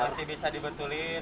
masih bisa dibetulin